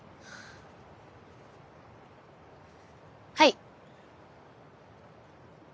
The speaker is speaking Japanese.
はい。